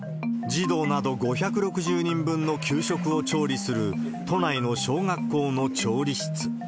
児童など５６０人分の給食を調理する都内の小学校の調理室。